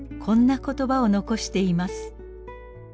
こんな言葉を残しています。